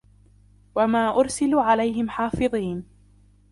وَمَا أُرْسِلُوا عَلَيْهِمْ حَافِظِينَ